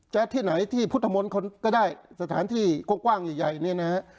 ที่ไหนที่พุทธมนต์คนก็ได้สถานที่กว้างใหญ่เนี่ยนะฮะ